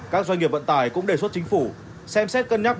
các doanh nghiệp vận tải cũng đề xuất chính phủ xem xét cân nhắc